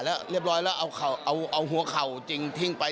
แล้วเรียบร้อยแล้วเอาหัวเข่าจริงทิ้งไป